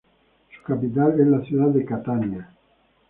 Su capital es la ciudad de Catania.